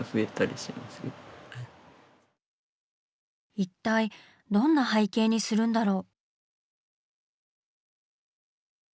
一体どんな背景にするんだろう？